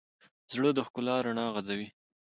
زړه د ښکلا رڼا غځوي.